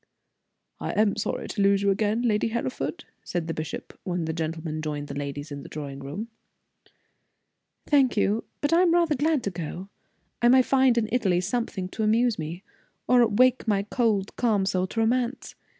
"I am sorry to lose you again, Lady Hereford," said the bishop, when the gentlemen joined the ladies in the drawing room. "Thank you. But I am rather glad to go. I may find in Italy something to amuse me, or wake my cold, calm soul to romance.